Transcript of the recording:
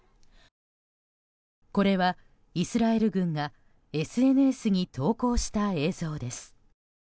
これは、イスラエル軍がＳＮＳに投稿した映像です。